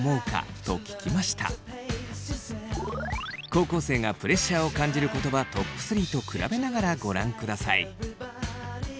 高校生がプレッシャーを感じる言葉トップ３と比べながらご覧ください。